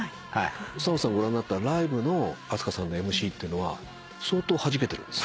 澤野さんご覧になったライブのＡＳＫＡさんのＭＣってのは相当はじけてるんですか？